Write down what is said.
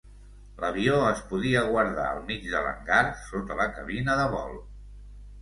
L"avió es podia guardar al mig de l"hangar sota la cabina de vol.